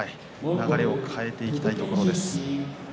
流れを変えていきたいところです。